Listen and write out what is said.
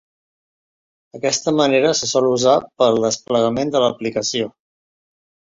Aquesta manera se sol usar per al desplegament de l'aplicació.